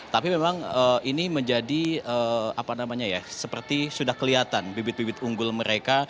tapi memang ini menjadi seperti sudah kelihatan bibit bibit unggul mereka